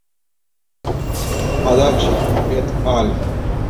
Adachi "et al.